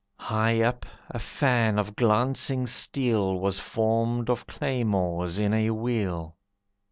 High up, a fan of glancing steel Was formed of claymores in a wheel.